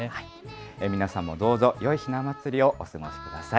皆さんもどうぞよいひな祭りをお過ごしください。